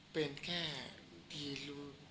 เป็นแค่ดีรู้คุณคุณครับ